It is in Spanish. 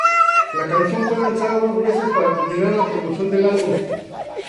La canción fue lanzada dos veces para terminar la promoción del álbum.